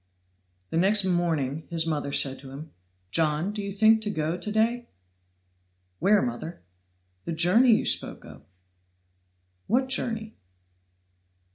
The next morning his mother said to him: "John, do you think to go to day?" "Where, mother?" "The journey you spoke of." "What journey?"